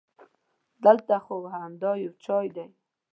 دلته خو همدا یو چای دی.